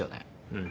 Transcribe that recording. うん。